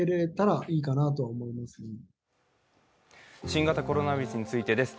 新型コロナウイルスについてです。